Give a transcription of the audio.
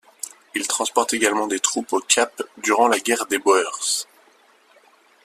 Il transporte également des troupes au Cap durant la Guerre des Boers.